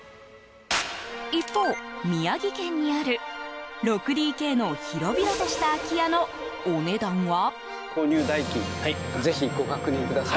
一方、宮城県にある６ＤＫの広々とした空き家のお値段は。